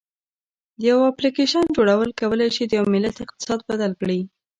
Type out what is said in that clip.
د یو اپلیکیشن جوړول کولی شي د یو ملت اقتصاد بدل کړي.